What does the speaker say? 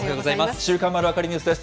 週刊まるわかりニュースです。